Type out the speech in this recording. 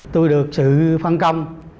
tôi được sự phân công